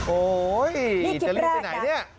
โอ้ยจะลืมไปไหนเนี่ย